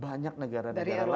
banyak negara negara lain di luar